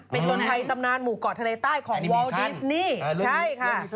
เป็นคนไทยตำนานหมู่เกาะทะเลใต้ของวอลดิสนี่ใช่ค่ะ